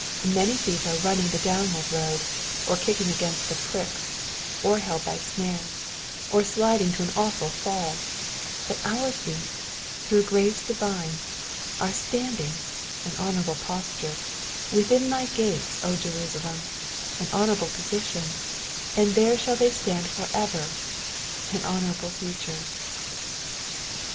Many feet are running the downward road, or kicking against the pricks, or held by snares, or sliding to an awful fall; but our feet, through grace divine, are " standing "— an honourable posture, within thy gates, O Jerusalem" — an honourable position, and there shall they stand for ever — an honourable future.